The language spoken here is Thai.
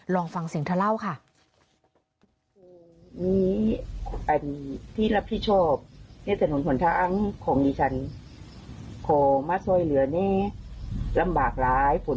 ลองฟังสิ่งท่าเล่าค่ะ